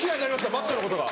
マッチョのことが。